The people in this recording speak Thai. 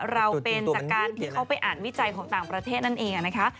เราเป็นจากการที่เขาไปอ่านวิจัยของต่างประเทศนั่นเองนะคะ